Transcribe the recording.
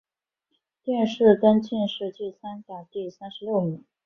殿试登进士第三甲第三十六名。